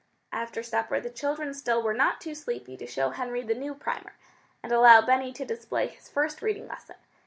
After supper the children still were not too sleepy to show Henry the new primer, and allow Benny to display his first reading lesson.